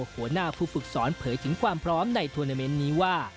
หัวหน้าผู้ฝึกสอนเผยถึงความพร้อมในทวนาเมนต์นี้ว่า